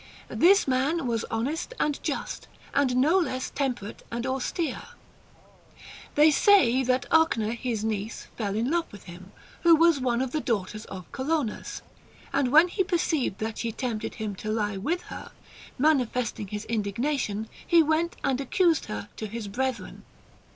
This man was honest and just, and no less temperate and aus tere. They say that Ochna his niece fell in love with him, who was one of the daughters of Colonus ; and when he perceived that she tempted him to lie with her, mani festing his indignation he went and accused her to her brethren.